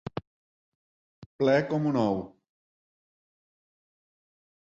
Ple com un ou.